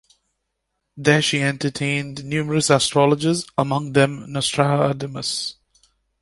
There she entertained numerous astrologers, among them Nostradamus.